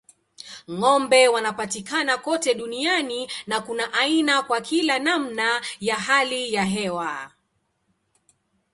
Ng'ombe wanapatikana kote duniani na kuna aina kwa kila namna ya hali ya hewa.